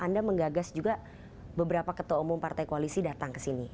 anda menggagas juga beberapa ketua umum partai koalisi datang ke sini